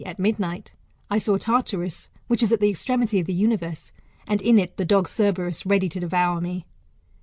at midnight] I saw Tattarus, which is at the extremity of the universe, and in it the dog Cerberus ready to devour me.